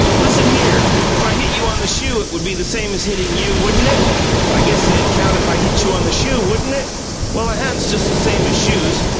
"Listen here! If I hit you on the shoe, it would be the same as hitting YOU, wouldn't it? I guess it'd count if I hit you on the shoe, wouldn't it? Well, a hat's just the same as shoes.